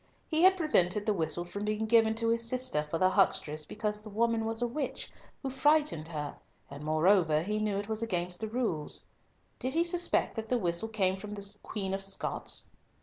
He had prevented the whistle from being given to his sister for the huckstress because the woman was a witch, who frightened her, and moreover he knew it was against rules. Did he suspect that the whistle came from the Queen of Scots?